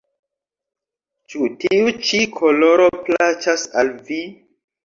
Ĉu tiu ĉi koloro plaĉas al vi?